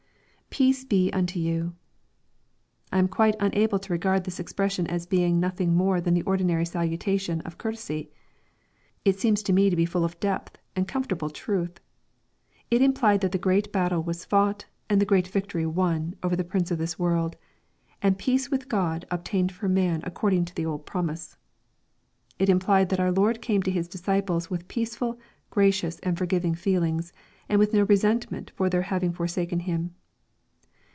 [Peace he unto you.] 1 am quite unable to regard this expre§H sion as being nothing more than the ordinary salutation of cour tesy. It seems to me to be full of deep and comfortable truth. It implied that the great battle was fought and the great victory won over the prince of this world, and peace with God obtained for man according to the old promise. It implied that our Lord came to His disciples with peaseful, gracious, and forgiving feelings, and with no resentment for their having forsaken Him.